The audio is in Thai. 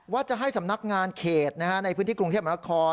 ว่าจะให้สำนักงานเขตในพื้นที่กรุงเทพมนาคม